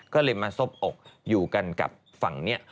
ก็เลยมาซบอกอยู่กันกับฝั่งนี้